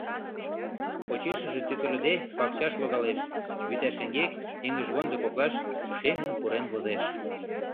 Почешыже тӱкылыде, пакчаш логалеш, вӱта шеҥгек, эҥыжвондо коклаш, шеҥын пурен возеш.